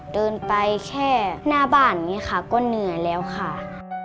เดินไปแค่หน้าบ้านก็เหนื่อยแล้วค่ะ